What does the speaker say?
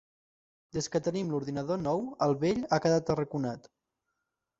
Des que tenim l'ordinador nou, el vell ha quedat arraconat.